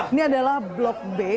ini adalah blok b